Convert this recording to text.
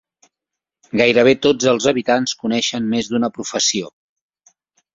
Gairebé tots els habitants coneixen més d"una professió.